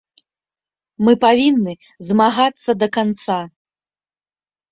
Мы павінны змагацца да канца.